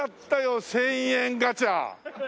１０００円ガチャ。